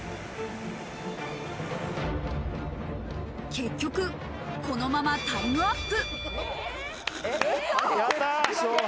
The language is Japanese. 結局、このままタイムアップ。。